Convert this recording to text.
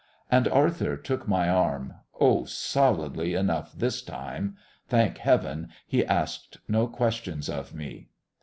And Arthur took my arm oh, solidly enough this time. Thank heaven, he asked no questions of me.